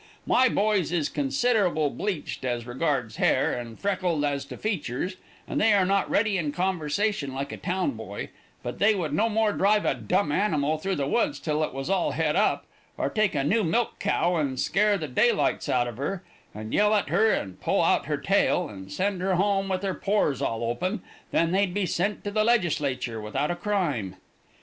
My boys is considerable bleached as regards hair, and freckled as to features, and they are not ready in conversation like a town boy, but they would no more drive a dumb animal through the woods till it was all het up, or take a new milch cow and scare the daylights out of her, and yell at her and pull out her tail, and send her home with her pores all open, than they'd be sent to the legislature without a crime.